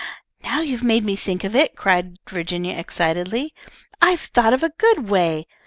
"Now you've made me think of it," cried Virginia, excitedly. "I've thought of a good way.